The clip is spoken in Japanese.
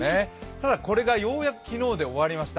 ただ、これがようやく昨日で終わりました。